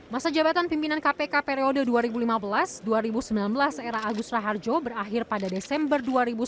masa jabatan pimpinan kpk periode dua ribu lima belas dua ribu sembilan belas era agus raharjo berakhir pada desember dua ribu sembilan belas